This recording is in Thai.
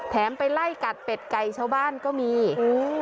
ไปไล่กัดเป็ดไก่ชาวบ้านก็มีอืม